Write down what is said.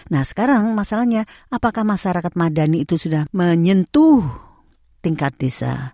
nah sekarang masalahnya apakah masyarakat madani itu sudah menyentuh tingkat desa